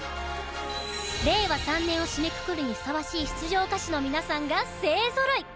令和３年を締めくくるにふさわしい出場歌手の皆さんが勢ぞろい。